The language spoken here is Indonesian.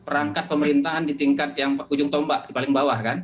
perangkat pemerintahan di tingkat yang ujung tombak di paling bawah kan